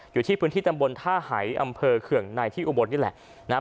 อยู่ที่พื้นที่ตำบลท่าหายอำเภอเคืองในที่อุบลนี่แหละนะครับ